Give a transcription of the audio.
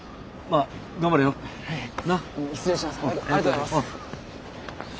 ありがとうございます。